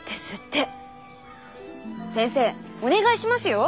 先生お願いしますよー。